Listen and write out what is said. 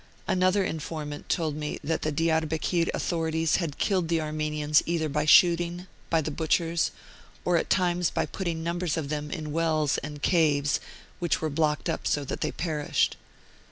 Another informant told me that the Diarbekir authorities had killed the Armenians either by shoot ing, by the butchers, or at times by putting numbers of them in wells and caves, which were blocked up so that they perished.